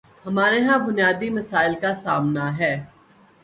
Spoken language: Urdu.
ہمارے ہاں بنیادی مسائل کا سامنا ہے۔